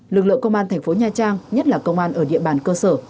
lực lượng công an thành phố nha trang nhất là công an ở địa bàn cơ sở